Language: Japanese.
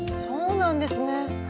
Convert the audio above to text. そうなんですね。